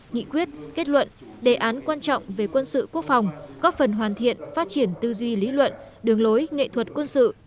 nghị quyết kết luận đề án quan trọng về quân sự quốc phòng góp phần hoàn thiện phát triển tư duy lý luận đường lối nghệ thuật quân sự